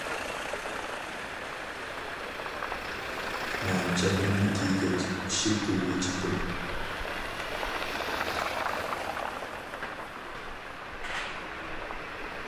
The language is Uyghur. مەن چاپىنىمنى كىيگەچ ئىشىك تۈۋىگە چىقتىم.